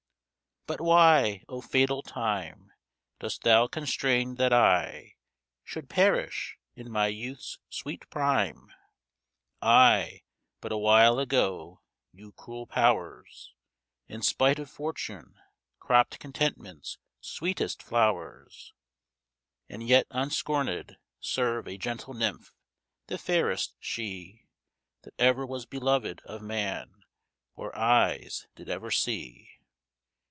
But why, O fatal time, Dost thou constrain that I Should perish in my youth's sweet prime? I, but awhile ago, (you cruel powers!) In spite of fortune, cropped contentment's sweetest flowers, And yet unscornèd, serve a gentle nymph, the fairest she, That ever was beloved of man, or eyes did ever see!